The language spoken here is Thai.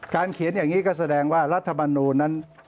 เขียนอย่างนี้ก็แสดงว่ารัฐมนูลนั้น